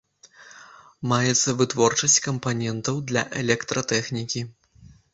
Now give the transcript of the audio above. Маецца вытворчасць кампанентаў для электратэхнікі.